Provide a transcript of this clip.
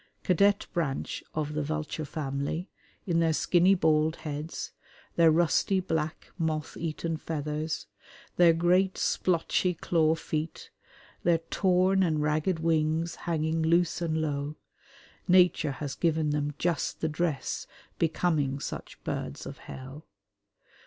Cadet branch of the vulture family, in their skinny bald heads, their rusty black moth eaten feathers, their great splotchy claw feet, their torn and ragged wings hanging loose and low, Nature has given them just the dress becoming such birds of hell.